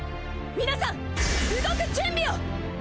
皆さん動く準備を！